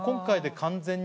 完全に。